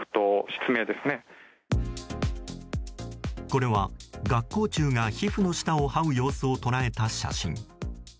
これは顎口虫が皮膚の下をはう様子を捉えた写真。